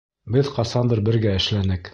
Беҙ ҡасандыр бергә эшләнек.